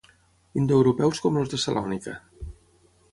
Indoeuropeus com els de Salònica.